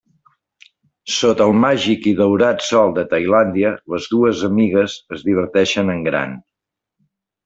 Sota el màgic i daurat sol de Tailàndia, les dues amigues es diverteixen en gran.